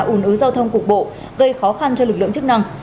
ủn ứ giao thông cục bộ gây khó khăn cho lực lượng chức năng